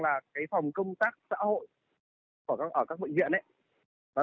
các phòng công tác xã hội của bệnh viện đều có vấn đề